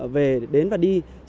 về đến và đi